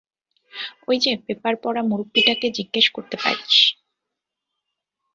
ওই যে পেপার পড়া মুরুব্বিটাকে জিজ্ঞেস করতে পারিস।